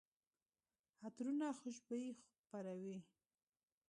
عطرونه خوشبويي خپروي.